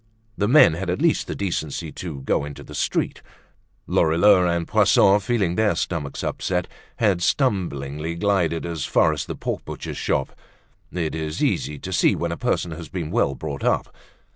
The men had at least the decency to go into the street; Lorilleux and Poisson, feeling their stomachs upset, had stumblingly glided as far as the pork butcher's shop. It is easy to see when a person has been well brought up.